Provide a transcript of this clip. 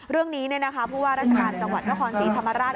เรื่องนี้ผู้ว่าราชการจังหวัดนครศรีธรรมราช